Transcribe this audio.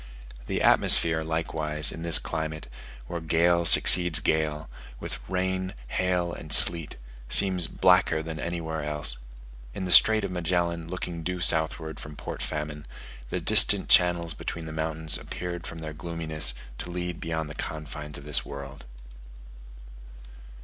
The atmosphere, likewise, in this climate, where gale succeeds gale, with rain, hail, and sleet, seems blacker than anywhere else. In the Strait of Magellan looking due southward from Port Famine, the distant channels between the mountains appeared from their gloominess to lead beyond the confines of this world.